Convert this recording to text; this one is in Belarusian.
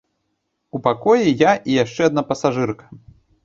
У пакоі я і яшчэ адна пасажырка.